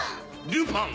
ルパン！